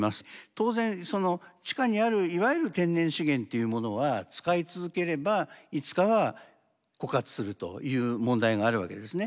当然その地下にあるいわゆる天然資源っていうものは使い続ければいつかは枯渇するという問題があるわけですね。